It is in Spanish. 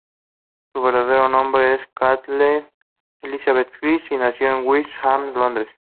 Su verdadero nombre era Kathleen Elizabeth Fell, y nació en el West Ham, Londres.